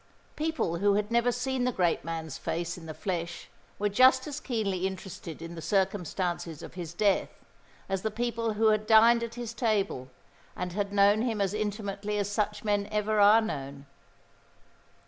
People who had never seen the great man's face in the flesh were just as keenly interested in the circumstances of his death as the people who had dined at his table and had known him as intimately as such men ever are known.